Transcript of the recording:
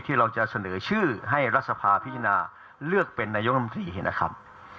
ที่เราจะเสนอชื่อให้รัฐสภาพิจารณาเลือกเป็นนายกรรมตรีนะครับ